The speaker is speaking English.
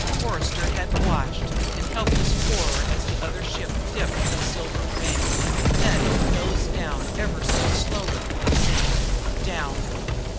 Forster had watched in helpless horror as the other ship dipped a silver wing, then nosed down ever so slowly, it seemed ... down